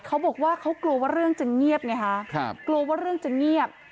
เขาบอกว่าเขากลัวว่าเรื่องจะเงียบไงฮะกลัวว่าเรื่องจะเงียบ